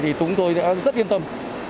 thì chúng tôi đã rất yên tâm